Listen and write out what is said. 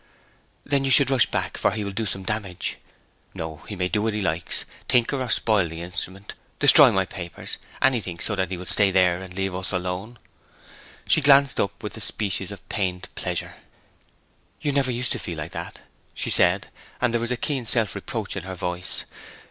'Then you should rush back, for he will do some damage.' 'No; he may do what he likes, tinker and spoil the instrument, destroy my papers, anything, so that he will stay there and leave us alone.' She glanced up with a species of pained pleasure. 'You never used to feel like that!' she said, and there was keen self reproach in her voice.